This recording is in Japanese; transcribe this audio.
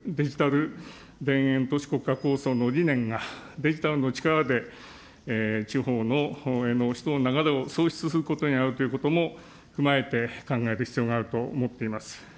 また岸田政権が掲げるデジタル田園都市国家構想の理念が、デジタルの力で地方の人の流れを創出することになるということも踏まえて考える必要があると思っています。